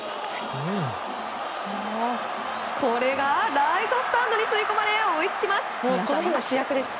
これがライトスタンドに吸い込まれ、追いつきます。